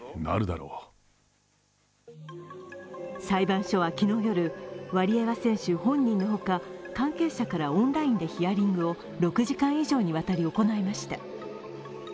裁判所は昨日夜、ワリエワ選手本人のほか、関係者からオンラインでヒアリングを６時間以上にわたり行いました。